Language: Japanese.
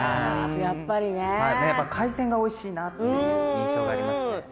やっぱり海鮮がおいしいなという印象がありますね。